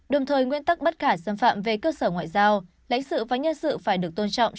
đồng thời nguyên tắc bắt cả dân phạm về cơ sở ngoại giao lãnh sự và nhân sự phải được tôn trọng